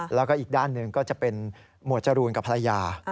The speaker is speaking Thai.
แล้วก็อีกด้านหนึ่งก็จะเป็นหมวดจรูนกับภรรยา